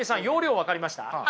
はい分かりました。